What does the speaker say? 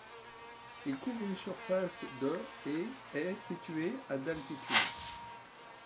Il couvre une surface de et est situé à d'altitude.